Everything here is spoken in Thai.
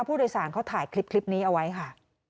ผู้โดยสารเขาถ่ายคลิปนี้เอาไว้ค่ะ